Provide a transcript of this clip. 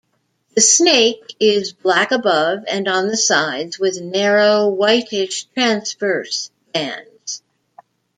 The snake is black above and on the sides, with narrow, whitish, transverse bands.